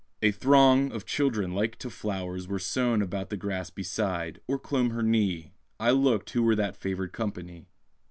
A throng of children like to flowers were sown About the grass beside, or clomb her knee: I looked who were that favoured company.